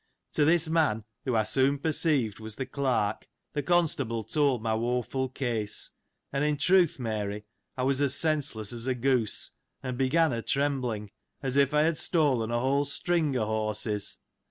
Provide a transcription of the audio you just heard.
To this man, who I soon perceived was the clerk, the constable told my woful case, and in truth, Mary, I was as senseless as a goose ; and began a trembling, as if I had stolen a whole string of horses.